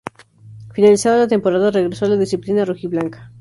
Finalizada la temporada regresó a la disciplina rojiblanca.